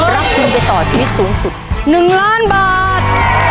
รับทุนไปต่อชีวิตสูงสุด๑ล้านบาท